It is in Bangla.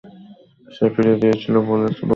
সে ফিরিয়ে দিয়েছিল বলছে।